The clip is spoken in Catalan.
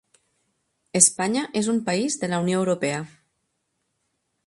Espanya és un país de la Unió Europea.